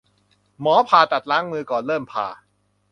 หมอผ่าตัดล้างมือก่อนเริ่มผ่า